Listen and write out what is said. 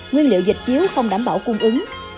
nguyên liệu dịch chiếu không đảm bảo cung ứng